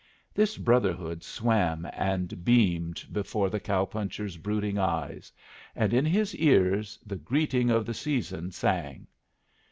This brotherhood swam and beamed before the cow puncher's brooding eyes, and in his ears the greeting of the season sang.